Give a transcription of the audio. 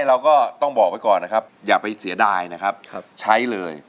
เราก็ต้องบอกไว้ก่อนนะครับอย่าไปเสียดายนะครับใช้เลย